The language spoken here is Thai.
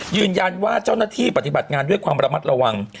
เจ้าหน้าที่ปฏิบัติงานด้วยความระมัดระวัง